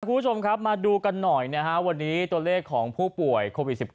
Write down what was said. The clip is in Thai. คุณผู้ชมครับมาดูกันหน่อยนะฮะวันนี้ตัวเลขของผู้ป่วยโควิด๑๙